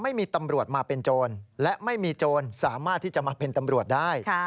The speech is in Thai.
ไม่มีตำรวจมาเป็นโจรและไม่มีโจรสามารถที่จะมาเป็นตำรวจได้